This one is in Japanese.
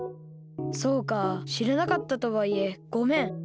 そうかしらなかったとはいえごめん。